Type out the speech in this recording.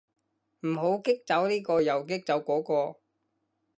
唔好激走呢個又激走嗰個